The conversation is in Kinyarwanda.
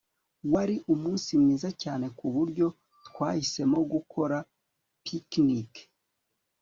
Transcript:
Wari umunsi mwiza cyane kuburyo twahisemo gukora picnic